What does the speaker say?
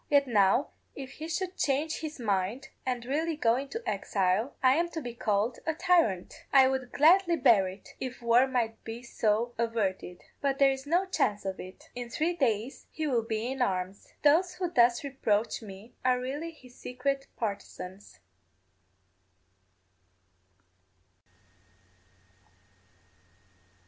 Yet now if he should change his mind, and really go into exile, I am to be called a tyrant. I would gladly bear it, if war might be so averted. But there is no chance of it; in three days he will be in arms. Those who thus reproach me are really his secret partisans.